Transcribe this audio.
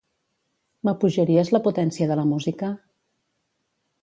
M'apujaries la potència de la música?